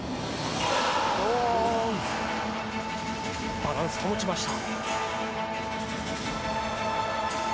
バランスを保ちました。